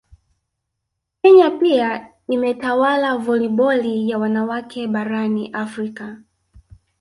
Kenya pia imetawala voliboli ya wanawake barani Afrika